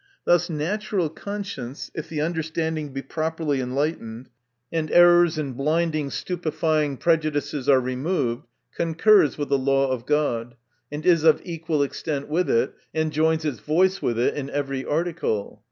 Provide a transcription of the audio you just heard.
Thus natural conscience, if the understanding be properly enlightened, and errors and blinding stupifying prejudices are removed, concurs with the law of God, and is of equal extent with it, and joins its voice with it in every article.